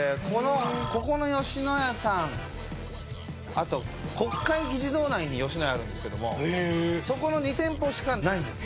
あと国会議事堂内に野家あるんですけどもそこの２店舗しかないんです。